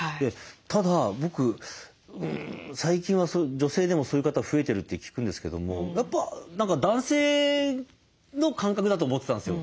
ただ僕最近は女性でもそういう方増えてるって聞くんですけどもやっぱ何か男性の感覚だと思ってたんですよ。